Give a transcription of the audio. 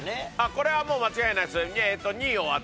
これはもう間違いないです。